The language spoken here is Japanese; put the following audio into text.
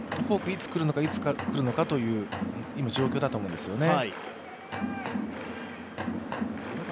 いつ来るのかいつ来るのかという状況だと思うんですよね。